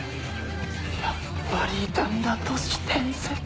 やっぱりいたんだ都市伝説。